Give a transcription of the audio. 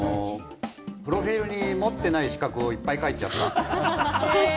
プロフィルに持っていない資格をいっぱい書いちゃった。